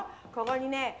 ここにね